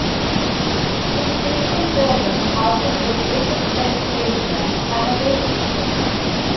The station building houses a ticket sales agent and a waiting room.